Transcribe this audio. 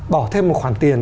bỏ thêm một khoản tiền